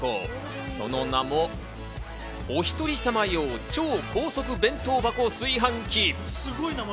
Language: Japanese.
その名も、おひとりさま用超高速弁当箱炊飯器。